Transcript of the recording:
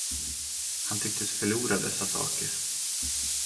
Han tycktes förlora dessa saker.